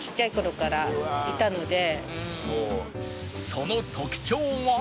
その特徴は